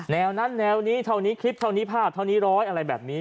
แนวนั้นแนวนี้เท่านี้คลิปเท่านี้ภาพเท่านี้ร้อยอะไรแบบนี้